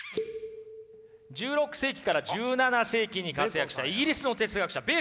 １６世紀から１７世紀に活躍したイギリスの哲学者ベーコンです。